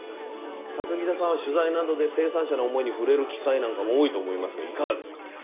榊田さんは取材などで生産者の思いに触れる機会なんかも多いと思いますがいかがですか？